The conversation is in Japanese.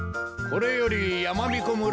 これよりやまびこ村